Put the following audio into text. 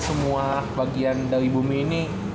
semua bagian dari bumi ini